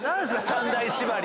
三大縛り。